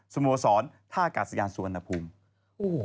สมสรถ้ากาศยานสวนอภูมิ